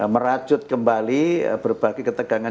merajut kembali berbagi ketegangan